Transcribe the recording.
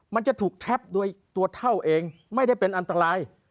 มันจะถูกแท็บโดยตัวเท่าเองไม่ได้เป็นอันตราย